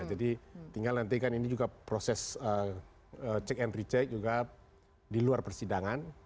jadi tinggal nanti kan ini juga proses check and recheck juga di luar persidangan